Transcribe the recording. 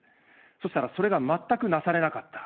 そしたら、それが全くなされなかった。